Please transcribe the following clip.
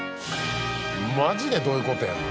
マジでどういう事やねん。